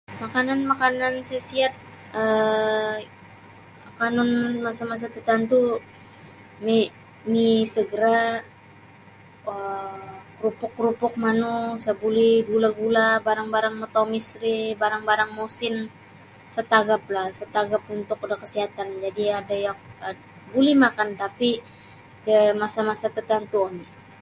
Makanan-makanan isa siat um akanun mu masa-masa tartantu mi- mi segera um kerupuk-kerupuk manu isa buli gula-gula barang-barang matomis ri barang-barang mosin isa tagap la isa tagap untuk da kasiatan jadi adai yak buli makan tapi da masa-masa tertentu oni.